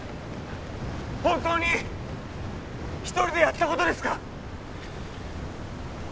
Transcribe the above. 本当に一人でやったことですか？